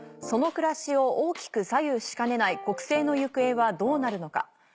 その暮らしを大きく左右しかねない国政の行方はどうなるのか。